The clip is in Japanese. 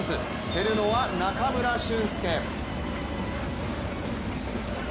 蹴るのは中村俊輔。